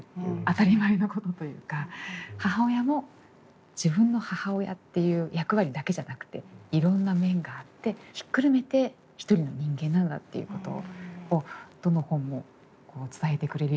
当たり前のことというか母親も自分の母親っていう役割だけじゃなくていろんな面があってひっくるめて一人の人間なんだっていうことをどの本も伝えてくれるような気がしました。